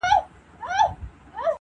قاسم یاره ته په رنګ د زمانې سه,